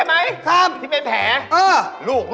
ว้าว